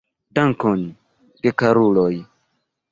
Dankon, gekaruloj.